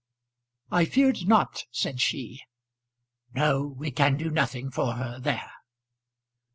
"I feared not," said she. "No; we can do nothing for her there."